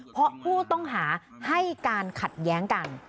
เพราะผู้ต้องหาให้การขัดแย้งกัน